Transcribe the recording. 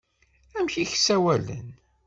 Amek i k-ssawalen?